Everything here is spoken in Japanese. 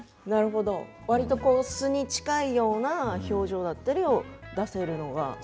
わりと素に近いような表情だったりを出せるのが。